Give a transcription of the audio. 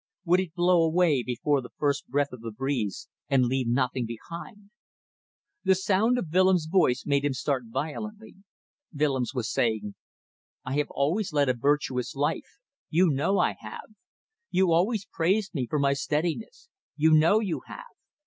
Would it blow away before the first breath of the breeze and leave nothing behind? The sound of Willems' voice made him start violently. Willems was saying "I have always led a virtuous life; you know I have. You always praised me for my steadiness; you know you have.